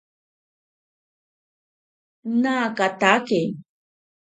Naakatake.